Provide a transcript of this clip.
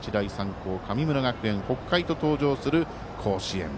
高神村学園、北海と登場する甲子園。